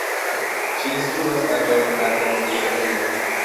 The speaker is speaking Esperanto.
Ŝi instruas ankaŭ en arta mezlernejo.